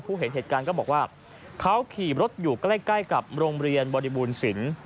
เห็นเหตุการณ์ก็บอกว่าเขาขี่รถอยู่ใกล้ใกล้กับโรงเรียนบริบูรณสิน